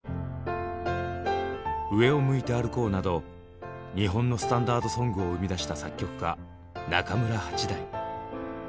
「上を向いて歩こう」など日本のスタンダードソングを生み出した作曲家中村八大。